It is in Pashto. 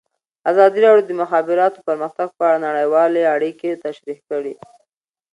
ازادي راډیو د د مخابراتو پرمختګ په اړه نړیوالې اړیکې تشریح کړي.